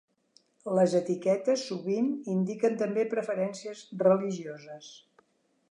Les etiquetes sovint indiquen també preferències religioses.